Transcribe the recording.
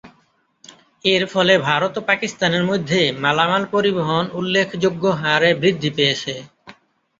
এর ফলে ভারত ও পাকিস্তানের মধ্যে মালামাল পরিবহণ উল্ল্যেখযোগ্য হারে বৃদ্ধি পেয়েছে।